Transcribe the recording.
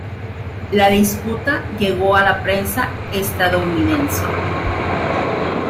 La disputa llegó a la prensa estadounidense.